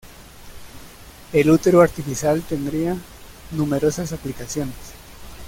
El útero artificial tendría numerosas aplicaciones.